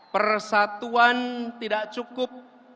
persatuan tidak cukup